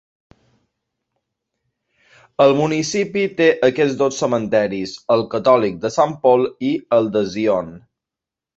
El municipi té aquests dos cementiris: el catòlic de Saint Paul i el de Zion.